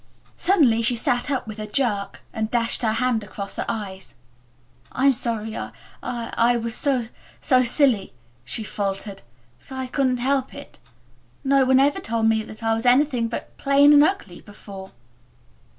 Suddenly she sat up with a jerk, and dashed her hand across her eyes. "I'm sorry I was so so silly," she faltered, "but I couldn't help it. No one ever told me that I was anything but plain and ugly before."